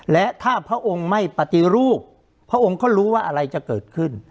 และถ้าพระองค์ไม่ปฏิรูปพระองค์ก็รู้ว่าอะไรจะเกิดขึ้น